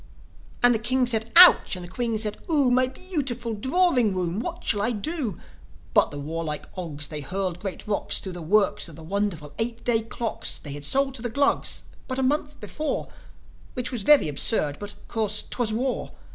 And the King said, "Ouch!" And the Queen said, "0o! My bee ootiful drawing room! What shall I do?" But the warlike Ogs, they hurled great rocks Thro' the works of the wonderful eight day clocks They had sold to the Glugs but a month before Which was very absurd; but, of course, 'twas war.